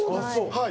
はい。